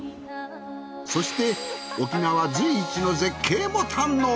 そして沖縄随一の絶景も堪能。